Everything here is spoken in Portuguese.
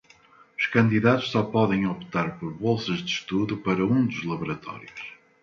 Os candidatos só podem optar por bolsas de estudo para um dos laboratórios.